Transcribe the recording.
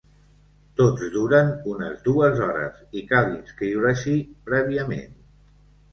Tots duren unes dues hores i cal inscriure-s’hi prèviament.